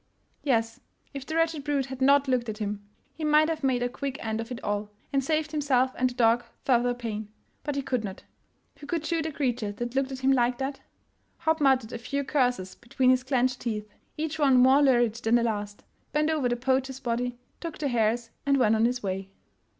Yes — if the wretched brute had not looked at him ! He might have made a quick end of it all, and saved himself and the dog further pain. But he could not. Who could shoot a creature that looked at him like that? Hopp mut tered a few curses between his clenched teeth, each one more lurid than the last — bent over the poacher's body, took the hares, and went on his way.